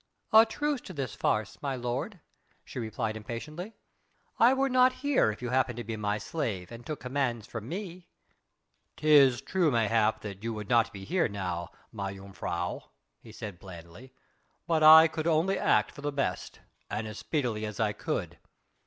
"A truce to this farce, my lord," she retorted impatiently. "I were not here if you happened to be my slave, and took commands from me." "'Tis true mayhap that you would not be here, now, mejuffrouw," he said blandly, "but I could only act for the best, and as speedily as I could.